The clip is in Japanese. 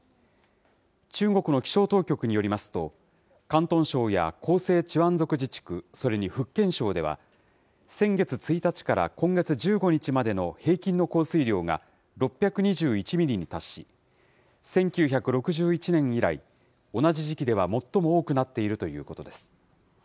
中国の気象当局によりますと、広東省や広西チワン族自治区、それに福建省では、先月１日から今月１５日までの平均の降水量が６２１ミリに達し、１９６１年以来、同じ時期では最も多くなっているということです。